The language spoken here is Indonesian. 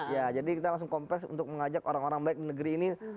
ya jadi kita langsung kompres untuk mengajak orang orang baik di negeri ini